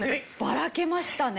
ばらけましたね。